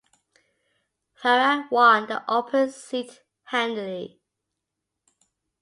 Farrah won the open seat handily.